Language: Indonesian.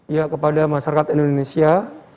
ya kepada masyarakat indonesia